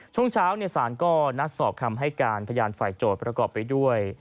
ช่วงเช้าสารก็นัดสอบคำให้การพยานฝ่ายโจทย์ประกอบไปด้วย